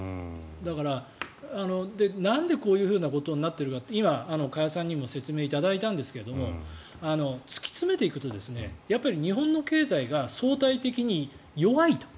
だから、なんでこういうことになっているかって今、加谷さんにも説明いただいたんですが突き詰めていくとやっぱり日本の経済が相対的に弱いと。